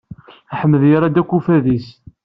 Aḥmed yarra-d akk uffad-is.